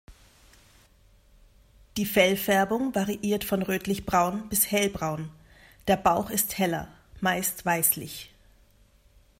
Die Fellfärbung variiert von rötlichbraun bis hellbraun, der Bauch ist heller, meist weißlich.